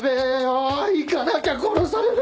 行かなきゃ殺される！